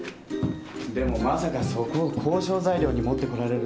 でもまさかそこを交渉材料に持ってこられるとは。